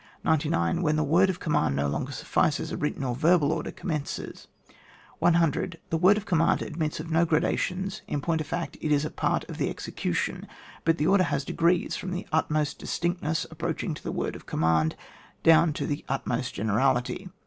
99. When the Word of command no longer suffices, a written or verbal Order commences. 100. The word of command admits of no gradations, in point of fact, it is a part of the execution. But the order haa degrees, frx>m the utmost distinctness^ approaching to the word of command, down to the utmost generality.